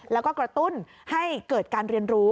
แล้วก็กระตุ้นให้เกิดการเรียนรู้